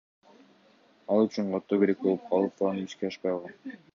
Ал үчүн каттоо керек болуп калып, планы ишке ашпай калган.